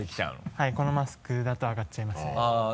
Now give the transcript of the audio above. はいこのマスクだと上がっちゃいますね。